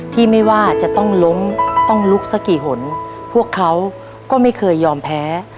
ที่ไม่ว่าจะต้องล้มต้องลุกสักกี่หนพวกเขาก็ไม่เคยยอมแพ้